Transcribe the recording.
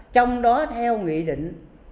trong đó theo nghị định